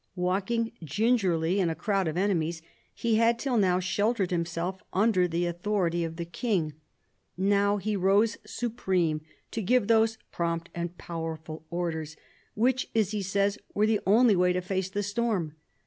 Walking gingerly in a crowd of enemies, he had till now sheltered himself under the authority of the King. Now he rose supreme, to give those "prompt and powerful orders" which, as he says, were the only way to face the storm.